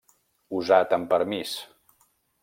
Usat amb permís.